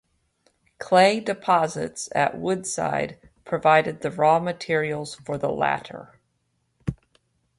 Clay deposits at Woodside provided the raw materials for the latter.